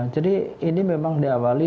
jadi ini memang diawali